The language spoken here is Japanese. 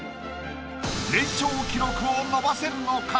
連勝記録を伸ばせるのか？